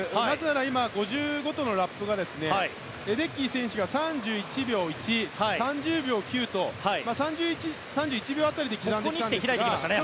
今５０ごとのラップがレデッキー選手が３３秒１３０秒９と３１秒辺りで刻んできています。